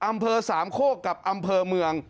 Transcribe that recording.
อำเภอสามโคกกับอำเภอเมือง